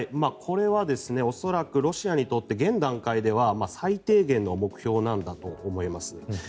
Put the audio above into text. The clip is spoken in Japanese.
これは恐らくロシアにとって現段階では最低限の目標なんだと思います。